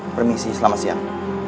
permisi selamat siang